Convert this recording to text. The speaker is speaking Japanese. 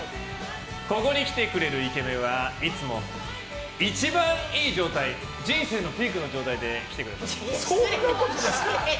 ここに来てくれるイケメンはいつも一番いい状態人生のピークの状態で来てくれます。